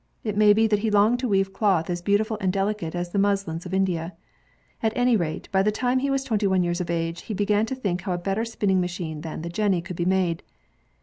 It may be that he longed to weave cloth as beautiful and delicate as the muslins of India. At any rate, by the time he was twenty one years of age, he began to think how a better spi nnin g machine than the jenny could be made.